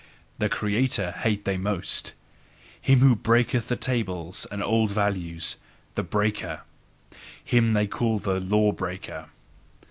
The CREATOR, hate they most, him who breaketh the tables and old values, the breaker, him they call the law breaker.